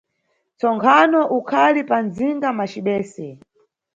Ntsonkhano ukhali pa mdzinga macibese.